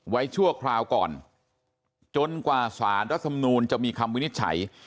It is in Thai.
ชั่วคราวก่อนจนกว่าสารรัฐมนูลจะมีคำวินิจฉัย